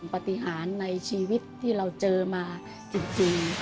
ปฏิหารในชีวิตที่เราเจอมาจริง